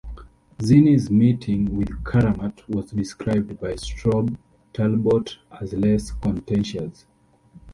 Zinni'e meeting with Karamat was described by Strobe Talbott as less contentious.